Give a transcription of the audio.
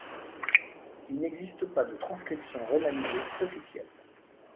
Il n'existe pas de transcription romanisée officielle.